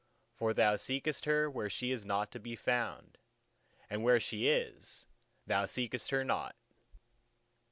For thou seekest her where she is not to be found; and where she is, there thou seekest her not!